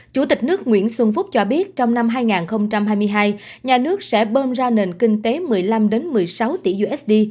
chủ tịch nước nguyễn xuân phúc cho biết trong năm hai nghìn hai mươi hai nhà nước sẽ bơm ra nền kinh tế một mươi năm một mươi sáu tỷ usd